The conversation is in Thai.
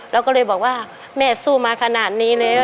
แล้วก็เลยบอกว่าแม่สู้มาขนาดนี้เลย